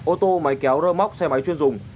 ô tô máy kéo rơ móc xe máy chuyên dùng